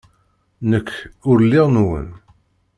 Nekk ur lliɣ nwen.